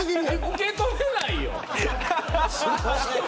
受け取れないよ。